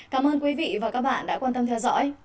cảm ơn quý vị và các bạn đã quan tâm theo dõi kính chào tạm biệt